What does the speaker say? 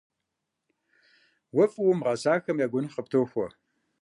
Уэ фӏыуэ умыгъэсахэм я гуэныхь къыптохуэ.